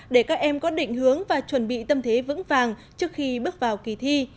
để các em có định hướng và chuẩn bị tâm thế vững vàng trước khi bước vào kỳ thi